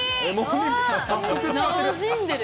早速使ってる。